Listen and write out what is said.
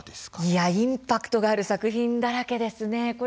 いや、インパクトがある作品だらけですね。